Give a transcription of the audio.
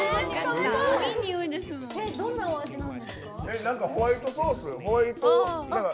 どんなお味なんですか？